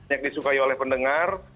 yang disukai oleh pendengar